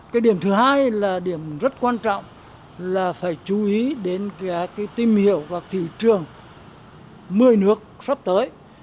cái điểm thứ hai là điểm rất quan trọng là phải chú ý đến cái tìm hiểu và thị trường mười nước sắp tới